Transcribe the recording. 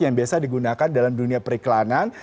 ini juga bisa digunakan dalam dunia periklanan